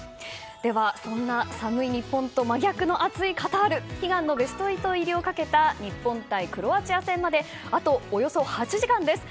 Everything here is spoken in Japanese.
ではそんな寒い日本と真逆の熱いカタール悲願のベスト８入りをかけた日本対クロアチア戦まであとおよそ８時間です。